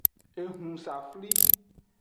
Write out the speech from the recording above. Ehunsafli.